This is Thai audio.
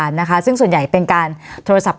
วันนี้แม่ช่วยเงินมากกว่า